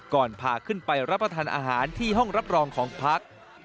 ก่อนพาขึ้นไปรับประทานอาหารที่ห้องรับรองของพัก